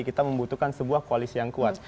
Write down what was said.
kita membutuhkan sebuah koalisi yang kuat